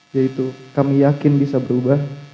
yaitu kami yakin bisa berubah